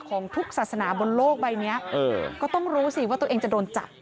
ของทุกศาสนาบนโลกใบนี้ก็ต้องรู้สิว่าตัวเองจะโดนจับ